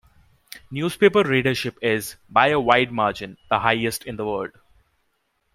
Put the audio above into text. Newspaper readership is, by a wide margin, the highest in the world.